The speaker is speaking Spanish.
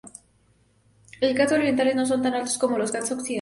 Los Ghats orientales no son tan altos como los Ghats occidentales.